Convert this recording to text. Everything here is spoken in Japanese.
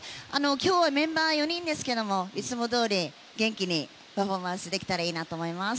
今日はメンバー４人ですがいつもどおり、元気にパフォーマンスできたらいいなと思います。